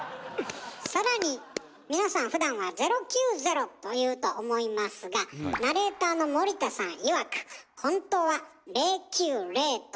更に皆さんふだんは「０９０」と言うと思いますがナレーターの森田さんいわくえ？